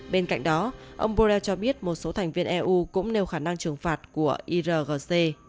bên cạnh đó ông borrel cho biết một số thành viên eu cũng nêu khả năng trừng phạt của irgc